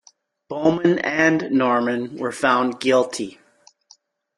Bowman and Norman were found guilty.